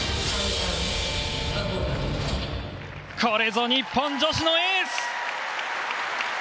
これぞ日本女子のエース。